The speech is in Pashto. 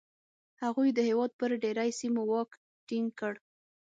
هغوی د هېواد پر ډېری سیمو واک ټینګ کړ